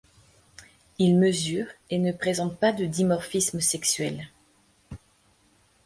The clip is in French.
Il mesure et ne présente pas de dimorphisme sexuel.